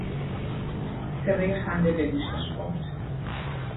صدای خنده به گوشش خورد.